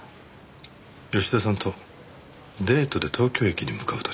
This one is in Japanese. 吉田さんとデートで東京駅に向かう途中。